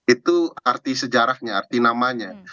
itu arti sejarahnya arti namanya